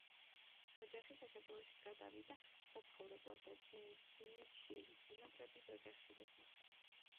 ოჯახი საქართველოში გადავიდა საცხოვრებლად და ძიმითში, წინაპრების ოჯახში დასახლდა.